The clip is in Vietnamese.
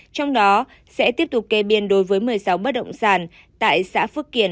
trong đó sẽ tiếp tục kê biên đối với một mươi sáu bất động sản tại xã phước kiển